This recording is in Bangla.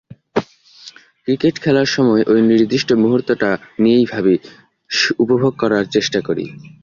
ক্রিকেট খেলার সময় ওই নির্দিষ্ট মুহূর্তটা নিয়েই ভাবি, উপভোগ করার চেষ্টা করি।